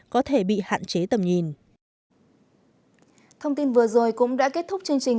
có thể bị hạn chế tầm nhìn